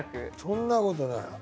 そんなことない。